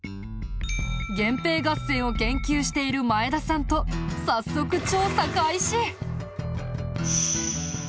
源平合戦を研究している前田さんと早速調査開始！